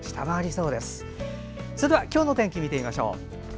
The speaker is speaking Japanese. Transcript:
それでは今日の天気見てみましょう。